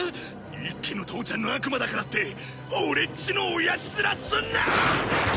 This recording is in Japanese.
一輝の父ちゃんの悪魔だからって俺っちの親父面すんな！